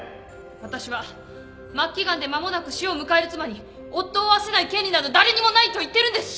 私は末期がんで間もなく死を迎える妻に夫を会わせない権利など誰にもないと言ってるんです！